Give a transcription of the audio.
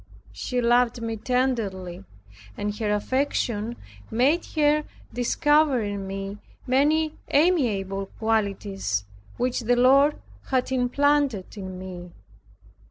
She loved me tenderly, and her affection made her discover in me many amiable qualities, which the Lord had implanted in me.